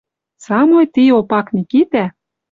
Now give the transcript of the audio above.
Самой ти Опак Микитӓ